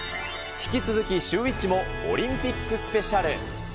引き続きシューＷｈｉｃｈもオリンピックスペシャル。